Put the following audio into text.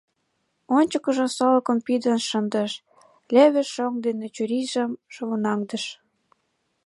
Ончыкыжо солыкым пидын шындыш, леве шоҥ дене чурийжым шовынаҥдыш.